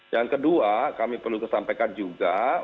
yang kedua kami perlu kesampaikan juga